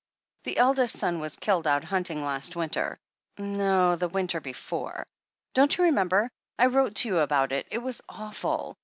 The eldest son was killed out hunting last winter — ^no, the winter before. Don't you remember? I wrote to you about it. It was awful.